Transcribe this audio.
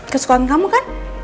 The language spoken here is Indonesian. kesukaan kamu kan